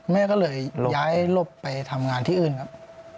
แม่ก็เลยย้ายหลบไปทำงานที่อื่นครับ